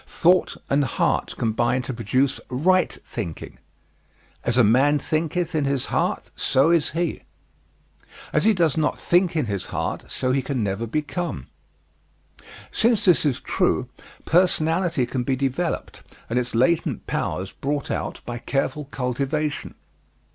Thought and heart combine to produce right thinking: "As a man thinketh in his heart so is he." As he does not think in his heart so he can never become. Since this is true, personality can be developed and its latent powers brought out by careful cultivation.